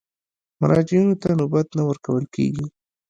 مراجعینو ته نوبت نه ورکول کېږي.